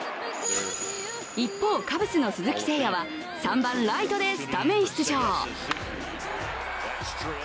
一方、カブスの鈴木誠也は、３番・ライトでスタメン出場。